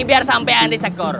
biar sampean disekor